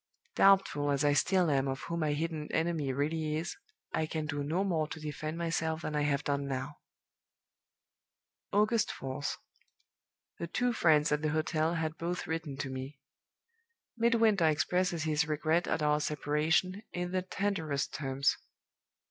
Doubtful as I still am of who my hidden enemy really is, I can do no more to defend myself than I have done now." "August 4th. The two friends at the hotel had both written to me. Midwinter expresses his regret at our separation, in the tenderest terms.